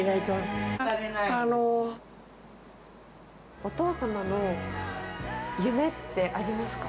お父様の夢ってありますか？